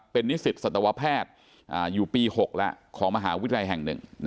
เป็นนิสิตสัตวแพทย์อยู่ปี๖แล้วของมหาวิทยาลัยแห่ง๑